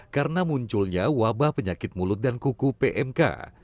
karena munculnya wabah penyakit mulut dan kuku pmk